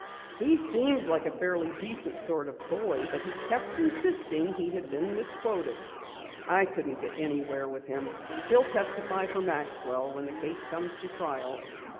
He seemed like a fairly decent sort of boy, but he kept insisting he had been misquoted. I couldn't get anywhere with him. He'll testify for Maxwell when the case comes to trial."